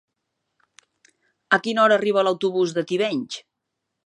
A quina hora arriba l'autobús de Tivenys?